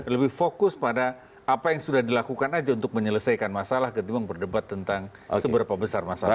lebih fokus pada apa yang sudah dilakukan aja untuk menyelesaikan masalah ketimbang berdebat tentang seberapa besar masalahnya